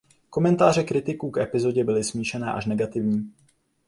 Komentáře kritiků k epizodě byly smíšené až negativní.